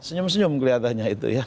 senyum senyum kelihatannya itu ya